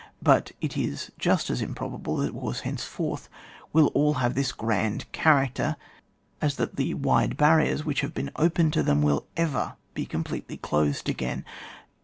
But it is just as improbable that wars henceforth will all have this grand character as that the wide barriers which have been opened to them will ever be completely closed again.